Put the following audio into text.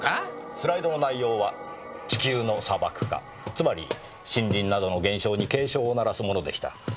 スライドの内容は地球の砂漠化つまり森林などの減少に警鐘を鳴らすものでした。